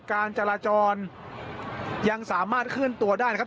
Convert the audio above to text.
การจราจรยังสามารถเคลื่อนตัวได้นะครับ